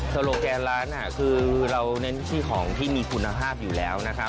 โลแกนร้านคือเราเน้นที่ของที่มีคุณภาพอยู่แล้วนะครับ